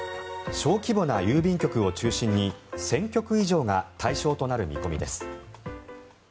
小規模な郵便局を中心に１０００局以上が対象となる見込みです。